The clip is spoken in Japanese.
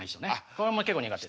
これも結構苦手。